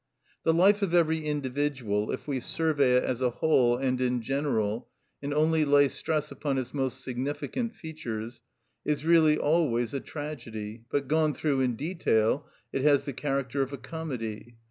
The life of every individual, if we survey it as a whole and in general, and only lay stress upon its most significant features, is really always a tragedy, but gone through in detail, it has the character of a comedy.